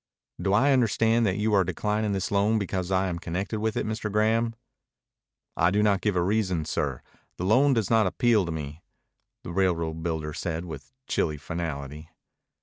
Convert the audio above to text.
"Do I understand that you are declining this loan because I am connected with it, Mr. Graham?" "I do not give a reason, sir. The loan does not appeal to me," the railroad builder said with chill finality.